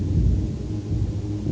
nggak akan berjalan